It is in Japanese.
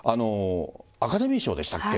アカデミー賞でしたっけ？